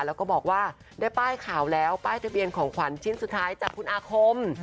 แล้วก็บอกว่าได้ป้ายข่าวแล้วป้ายทะเบียนของขวัญชิ้นสุดท้ายจากคุณอาคม